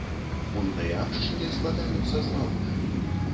Буйныя абшчыны складаюцца з малых.